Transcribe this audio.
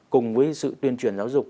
cùng với sự tuyên truyền giáo dục